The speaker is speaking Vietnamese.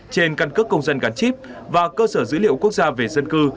trên căn cước công dân gắn chip và cơ sở dữ liệu quốc gia về dân cư